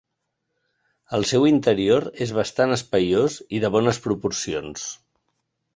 El seu interior és bastant espaiós i de bones proporcions.